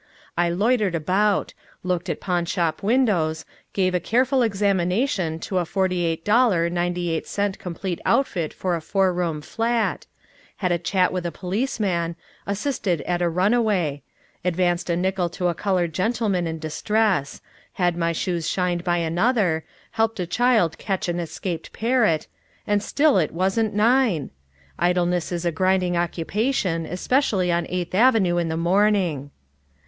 I loitered about; looked at pawnshop windows; gave a careful examination to a forty eight dollar ninety eight cent complete outfit for a four room flat; had a chat with a policeman; assisted at a runaway; advanced a nickel to a colored gentleman in distress; had my shoes shined by another; helped a child catch an escaped parrot and still it wasn't nine! Idleness is a grinding occupation, especially on Eighth Avenue in the morning.